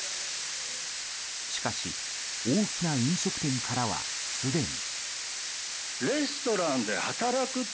しかし、大きな飲食店からはすでに。